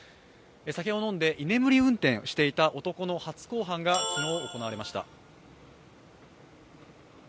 酒を飲んで居眠り運転していた男の初公判が行われました。